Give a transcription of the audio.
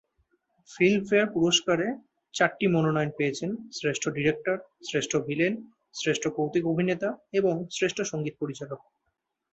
Filmfare পুরস্কার-এর চারটি মনোনয়ন পেয়েছেন: শ্রেষ্ঠ ডিরেক্টর, শ্রেষ্ঠ ভিলেন, শ্রেষ্ঠ কৌতুক অভিনেতা এবং শ্রেষ্ঠ সঙ্গীত পরিচালক।